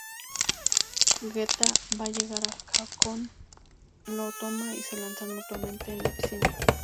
Guetta ve llegar a Akon, lo toma y se lanzan mutuamente en la piscina.